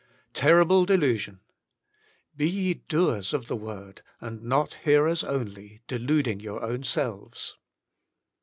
Terrible delusion! ^^Be ye doers of the word, and not hearers only, deluding your own selves."